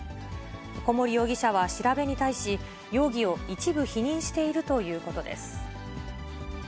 小森容疑者は調べに対し、容疑を一部否認しているということです。